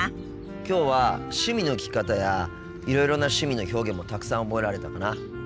きょうは趣味の聞き方やいろいろな趣味の表現もたくさん覚えられたかな。